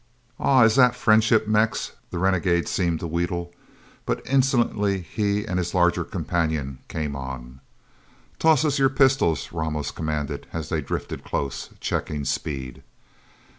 "Aw is that friendship, Mex?" the renegade seemed to wheedle. But insolently, he and his larger companion came on. "Toss us your pistols," Ramos commanded, as they drifted close, checking speed.